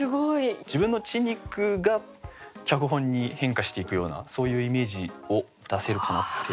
自分の血肉が脚本に変化していくようなそういうイメージを出せるかなって。